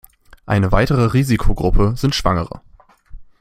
Eine weitere Risikogruppe sind Schwangere.